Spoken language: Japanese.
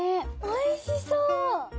おいしそう！